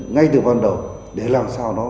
ngay từ ban đầu để làm sao nó